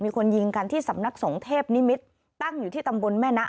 มีคนยิงกันที่สำนักสงฆ์เทพนิมิตรตั้งอยู่ที่ตำบลแม่นะ